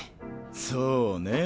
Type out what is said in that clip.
そうねぇ。